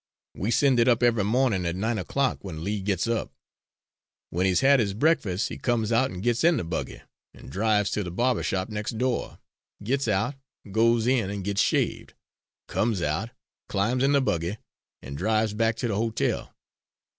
We send it up every mornin' at nine o'clock, when Lee gits up. When he's had his breakfas' he comes out an' gits in the buggy, an' drives to the barber shop nex' door, gits out, goes in an' gits shaved, comes out, climbs in the buggy, an' drives back to the ho tel.